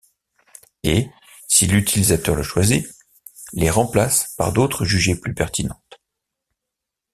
Et, si l'utilisateur le choisit, les remplace par d'autres jugées plus pertinentes.